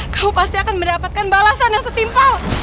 kau pasti akan mendapatkan balasan yang setimpal